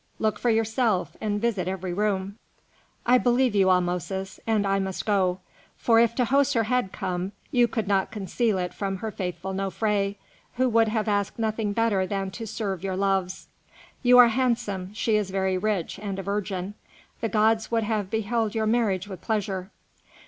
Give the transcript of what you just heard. Look for yourself and visit every room." "I believe you, Ahmosis, and I must go; for if Tahoser had come, you could not conceal it from her faithful Nofré, who would have asked nothing better than to serve your loves. You are handsome; she is very rich and a virgin; the gods would have beheld your marriage with pleasure."